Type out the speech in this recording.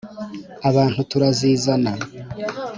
abantu turazizana.